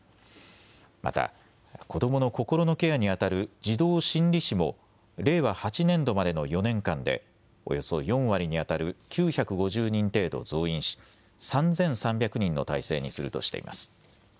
また子どもの心のケアにあたる児童心理司も令和８年度までの４年間でおよそ４割にあたる９５０人程度増員し３３００人の体制にするとしています。